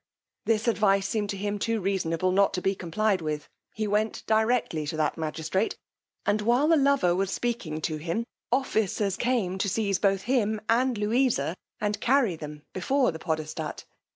This advice seemed to him too reasonable not to be complied with: he went directly to that magistrate, and while the lover was speaking to him, officers came in to seize both him and Louisa, and carry them before the podestat.